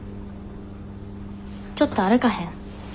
ちょっと歩かへん？